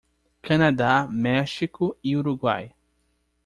Canadá, México e Uruguai.